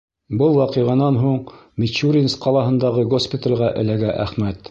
Был ваҡиғанан һуң Мичуринск ҡалаһындағы госпиталгә эләгә Әхмәт.